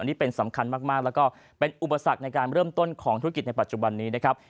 นี่เป็นสำคัญมากแล้วก็เป็นอุปสรรคในการเริ่มต้นของธุรกิจในปัจจุบันนี้นะครับ